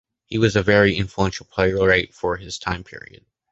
He was a very influential playwright for his time period.